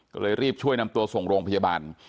ก็เลยรีบช่วยนำตัวส่งโรงพยาบาล